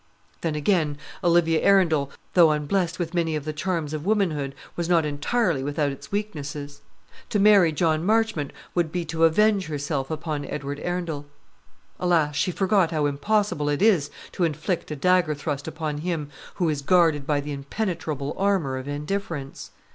Then, again, Olivia Arundel, though unblest with many of the charms of womanhood, was not entirely without its weaknesses. To marry John Marchmont would be to avenge herself upon Edward Arundel. Alas! she forgot how impossible it is to inflict a dagger thrust upon him who is guarded by the impenetrable armour of indifference.